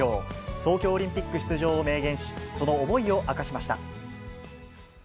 東京オリンピック出場を明言し、その思いを明かしました。